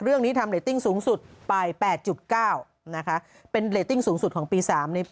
เรื่องนี้ทำเรตติ้งสูงสุดไป๘๙นะคะเป็นเรตติ้งสูงสุดของปี๓ใน